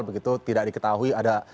begitu tidak diketahui ada